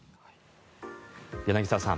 柳澤さん